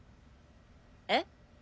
えっ？